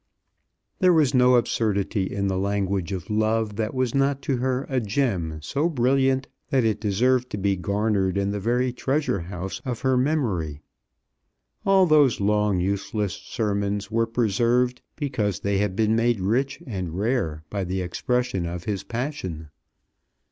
There was no absurdity in the language of love that was not to her a gem so brilliant that it deserved to be garnered in the very treasure house of her memory! All those long useless sermons were preserved because they had been made rich and rare by the expression of his passion.